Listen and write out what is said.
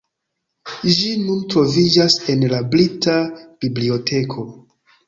Ĝi nun troviĝas en la Brita Biblioteko.